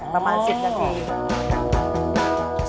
ประมาณ๑๐นาที